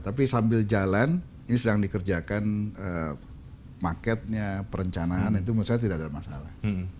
tapi sambil jalan ini sedang dikerjakan marketnya perencanaan itu menurut saya tidak ada masalah